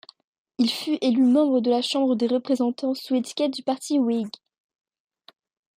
Il fut élu membre de la Chambre des représentants sous l'étiquette du parti Whig.